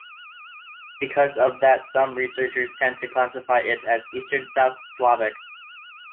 Because of that some researchers tend to classify it as Eastern South Slavic.